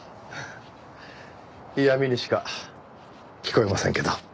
フッ嫌みにしか聞こえませんけど。